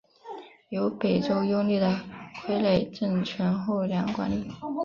由北周拥立的傀儡政权后梁管理。